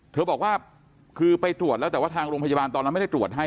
เธอบอกว่าคือไปตรวจแล้วแต่ว่าทางโรงพยาบาลตอนนั้นไม่ได้ตรวจให้